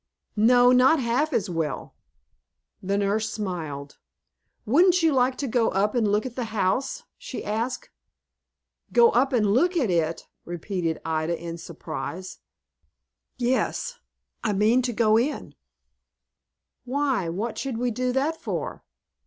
"No, not half so well." The nurse smiled. "Wouldn't you like to go up and look at the house?" she asked. "Go up and look at it!" repeated Ida, in surprise. "Yes, I mean to go in." "Why, what should we do that for?"